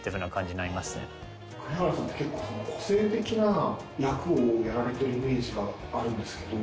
栗原さんって結構個性的な役をやられてるイメージがあるんですけど。